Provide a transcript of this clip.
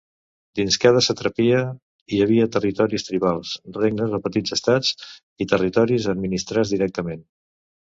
Dins cada satrapia hi havia territoris tribals, regnes o petits estats, i territoris administrats directament.